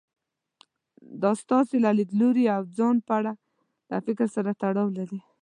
دا ستاسې له ليدلوري او ځان په اړه له فکر سره تړاو لري.